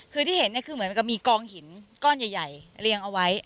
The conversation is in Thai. คือที่เห็นเนี่ยคือเหมือนกับมีกองหินก้อนใหญ่เรียงเอาไว้